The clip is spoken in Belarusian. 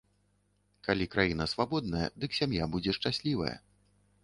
Калі краіна свабодная, дык сям'я будзе шчаслівая.